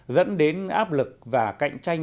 dẫn đến áp lực và cạnh tranh